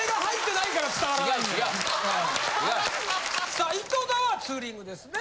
さあ井戸田はツーリングですね。